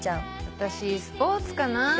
私スポーツかな。